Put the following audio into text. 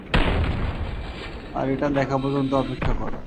আর এটা দেখা পর্যন্ত অপেক্ষা করো।